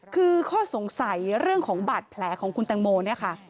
คือข้อสงสัยเรื่องของบาดแผลของคุณแตงโมเนี่ยค่ะ